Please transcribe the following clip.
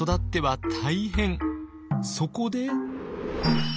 そこで。